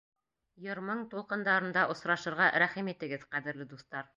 Йыр-моң тулҡындарында осрашырға рәхим итегеҙ, ҡәҙерле дуҫтар!